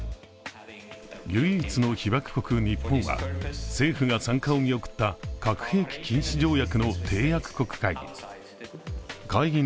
唯一の被爆国・日本は政府が参加を見送った核兵器禁止条約の締約国会議。